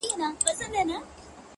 ستا غمونه ستا دردونه زما بدن خوري _